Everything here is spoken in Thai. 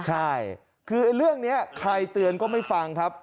ใช่คือเเลอะเรื่องนี้ขายเตือนก็มีฟังครับ